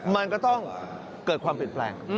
มันก็ต้องเกิดความผิดแปลง